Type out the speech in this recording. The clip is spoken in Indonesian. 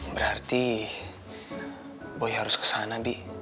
berarti boy harus ke sana bi